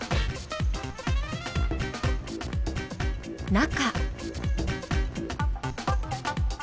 中。